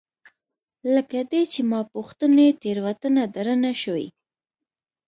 لکه دی چې ما پوښتي، تیروتنه درنه شوې؟